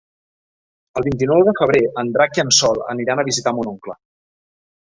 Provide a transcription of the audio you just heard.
El vint-i-nou de febrer en Drac i en Sol aniran a visitar mon oncle.